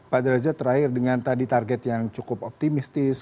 pak deraja terakhir dengan tadi target yang cukup optimis